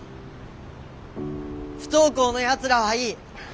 不登校のやつらはいい。